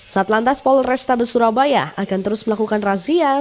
sat lantas polres tms surabaya akan terus melakukan razia